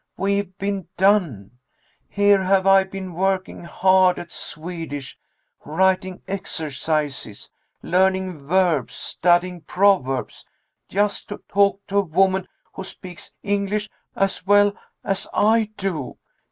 We've been 'done.' Here have I been working hard at Swedish writing exercises, learning verbs, studying proverbs just to talk to a woman who speaks English as well as I do.